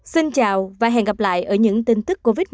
xin chào và hẹn gặp lại ở những tin tức covid một mươi chín tiếp theo